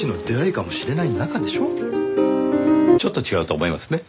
ちょっと違うと思いますね。